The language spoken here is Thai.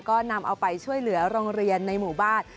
ก็นำเอาไปช่วยเหลือโรงเรียนในหมู่บ้าน